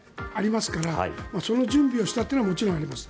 これは選挙がありますからその準備をしたというのはもちろんあります。